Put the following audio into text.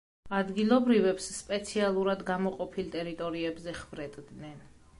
ადგილობრივებს სპეციალურად გამოყოფილ ტერიტორიებზე ხვრეტდნენ.